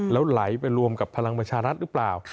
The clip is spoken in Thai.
แล้วไหลไปรวมกับพลังประชารัฐหรือเปล่า